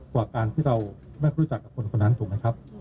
กว่าการที่เราไม่รู้จักกับคนคนนั้นถูกไหมครับ